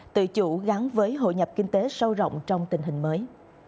tự chủ gắn với hội nhập kinh tế sâu rộng trong tình hình mới